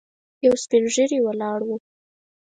یو سپين ږيری ولاړ و.